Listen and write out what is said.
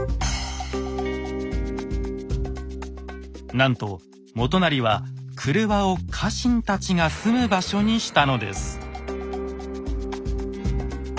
なんと元就は郭を家臣たちが住む場所にしたのです。